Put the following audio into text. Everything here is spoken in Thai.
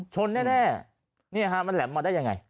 แน่นี่ฮะมันแหลมมาได้ยังไง